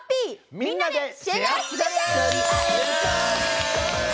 「みんなでシェアＳＰ」！